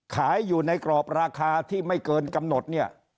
ขายอยู่ในกรอบราคาที่ไม่เกินกำหนดเนี่ย